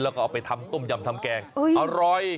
แล้วก็เอาไปทำต้มยำทำแกงอร่อย